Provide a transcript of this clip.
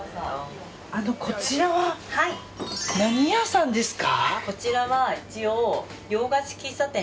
こちらは何屋さんですか？